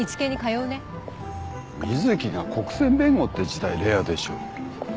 瑞希が国選弁護って自体レアでしょ。